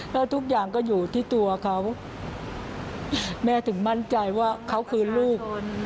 แล้วทุกอย่างก็อยู่ที่ตัวเขาแม่ถึงมั่นใจว่าเขาคือลูก